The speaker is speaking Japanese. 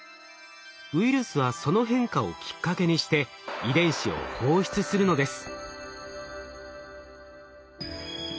ウイルスはその変化をきっかけにして遺伝子を放出するのです。